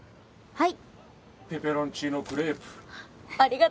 はい。